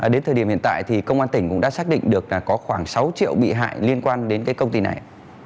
đến thời điểm hiện tại thì công an tỉnh cũng đã xác định được là có khoảng sáu triệu bị hại liên quan đến cái công ty này